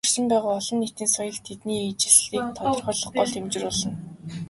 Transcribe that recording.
Оршин байгаа "олон нийтийн соёл" тэдний ижилслийг тодорхойлох гол хэмжүүр болно.